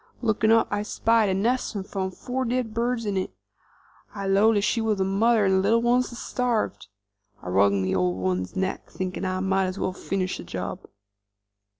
Lookin' up, I spied a nest 'nd four dead birds in it. I 'lowed then she was the mother 'nd the little ones had starved. I wrung the old one's neck, thinking I might as well finish the job."